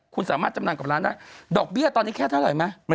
คุณสามารถจำหน่ายกับร้านได้ดอกเบี้ยตอนนี้แค่เท่าไหร่ไหม